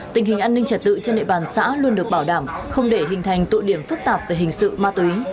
tình hình an ninh trật tự trên địa bàn xã luôn được bảo đảm không để hình thành tụi điểm phức tạp về hình sự ma túy